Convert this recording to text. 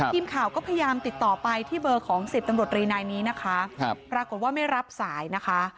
ทีมข่าวก็พยายามติดต่อไปที่เบอร์ของ๑๐ตำรวจรีนายนี้นะคะปรากฏว่าไม่รับสายนะคะ